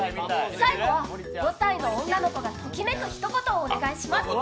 最後は５歳の女の子がときめくひと言をお願いします。